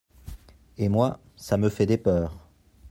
Et moi, ça me fait des peurs…